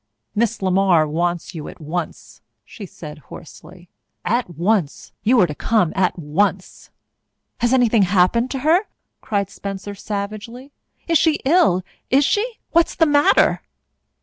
"Miss LeMar wants you at once," she said hoarsely. "At once you are to come at once!" "Has anything happened to her?" cried Spencer savagely. "Is she ill is she what is the matter?"